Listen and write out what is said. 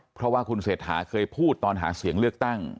เพราะว่าคุณเศรษฐาเคยพูดตอนหาเสียงเลือกตั้ง